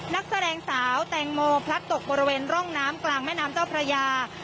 นักแสดงสาวแตงโมพลัดตกบริเวณร่องน้ำกลางแม่น้ำเจ้าพระยา